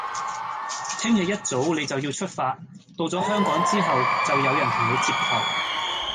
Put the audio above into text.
聽日一早你就要出發，到咗香港之後，就有人同你接頭